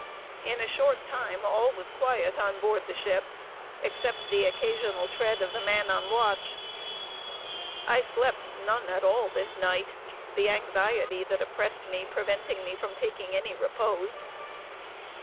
In a short time, all was quiet on board the ship, except the occasional tread of the man on watch. I slept none at all this night; the anxiety that oppressed me preventing me from taking any repose.